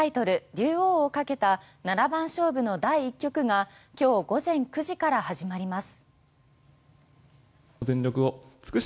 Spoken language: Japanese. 竜王をかけた七番勝負の第１局が今日午前９時から始まります。